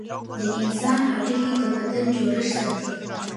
د انسان هډوکي د بدن جوړښت ساتي.